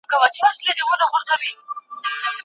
ايا سياست په بشپړ ډول علمي کيدای سي؟